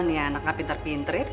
nih anaknya pinter pinterin